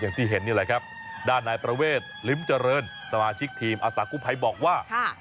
ที่เห็นนี่แหละครับด้านนายประเวทลิ้มเจริญสมาชิกทีมอาสากู้ภัยบอกว่า